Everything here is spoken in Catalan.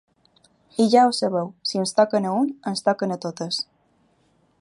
I ja ho sabeu si ens toquen a un ens toquen a totes.